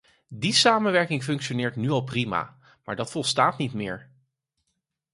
Die samenwerking functioneert nu al prima, maar dat volstaat niet meer.